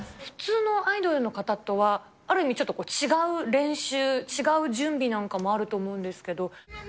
普通のアイドルの方とは、ある意味ちょっと違う練習、違う準備なんかもあると思うんですけど。